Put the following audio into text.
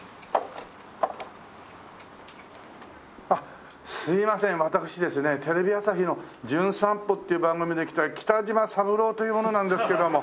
あっすいません私ですねテレビ朝日の『じゅん散歩』っていう番組で来た北島三郎という者なんですけども。